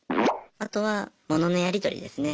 あとは物のやり取りですね。